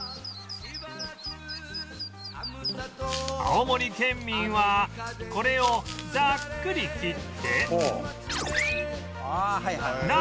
青森県民はこれをざっくり切って